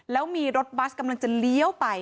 แล้วมีรถบัสกำลังจะเลี้ยวไป